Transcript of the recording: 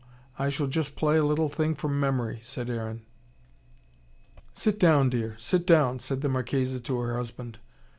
I shall just play a little thing from memory," said Aaron. "Sit down, dear. Sit down," said the Marchesa to her husband.